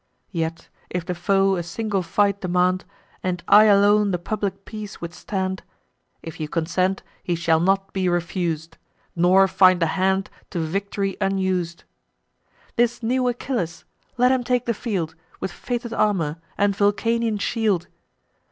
Yet, if the foe a single fight demand, And I alone the public peace withstand; If you consent, he shall not be refus'd, Nor find a hand to victory unus'd. This new Achilles, let him take the field, With fated armour, and Vulcanian shield!